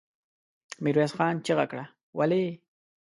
ميرويس خان چيغه کړه! ولې؟